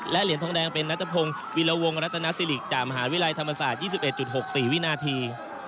และเหรียญทองแดงเป็นนัฐพงศ์วิลวงศ์รัฐนาศิริกษ์จากมหาวิทยาลัยธรรมศาสตร์ยี่สิบเอ็ดจุดหกสี่วินาที